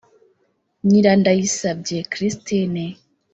Nyirandayisabye Christine